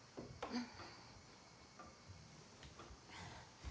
うん。